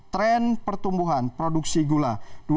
tren pertumbuhan produksi gula